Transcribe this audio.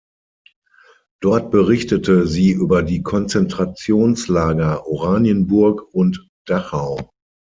Dort berichtete sie über die Konzentrationslager Oranienburg und Dachau.